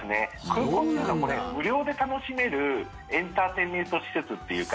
空港っていうのはこれ、無料で楽しめるエンターテインメント施設っていうか。